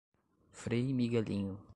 Frei Miguelinho